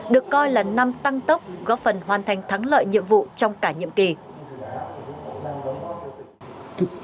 được coi là năm tăng tốc góp phần hoàn thành thắng lợi nhiệm vụ trong cả nhiệm kỳ